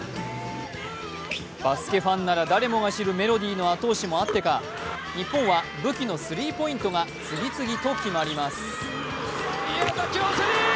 バスケファンなら誰もが知るメロディの後押しもあってか日本は武器のスリーポイントが次々と決まります。